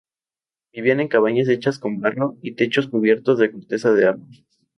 Vivían en cabañas hechas con barro y techos cubiertos de corteza de árbol.